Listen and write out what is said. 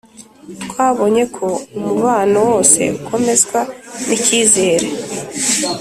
twabonye ko umubano wose ukomezwa n’icyizere.